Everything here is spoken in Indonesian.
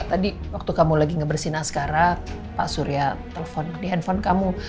tadi waktu kamu lagi ngebersih naskara pak surya telpon di handphone kamu